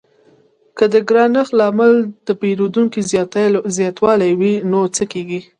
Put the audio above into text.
که د ګرانښت لامل د پیرودونکو زیاتوالی وي نو څه کیږي؟